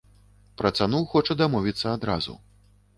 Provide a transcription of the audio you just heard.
Пра цану хоча дамовіцца адразу.